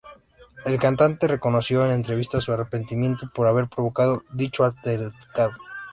El cantante reconoció en entrevistas su arrepentimiento por haber provocado dicho altercado.